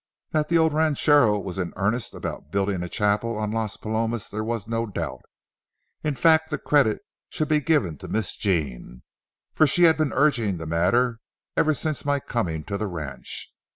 That the old ranchero was in earnest about building a chapel on Las Palomas there was no doubt. In fact, the credit should be given to Miss Jean, for she had been urging the matter ever since my coming to the ranch.